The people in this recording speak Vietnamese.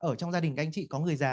ở trong gia đình ganh trị có người già